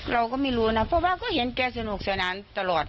เราก็ไม่รู้นะเพราะว่าก็เห็นแกสนุกสนานตลอด